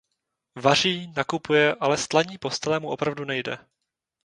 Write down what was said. Vaří, nakupuje, ale stlaní postele mu opravdu nejde!